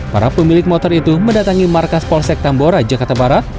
para pemilik motor itu mendatangi markas polsek tambora jakarta barat